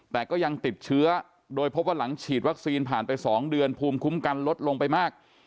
แต่ก็ยังติดเชื้อโดยพบว่าหลังฉีดวัคซีนผ่านไป๒เดือนภูมิคุ้มกันลดลงไปมาก